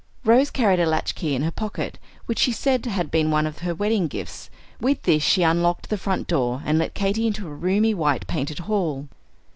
Rose carried a latch key in her pocket, which she said had been one of her wedding gifts; with this she unlocked the front door and let Katy into a roomy white painted hall.